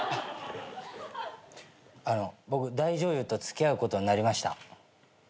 あの僕大女優と付き合うことになりました。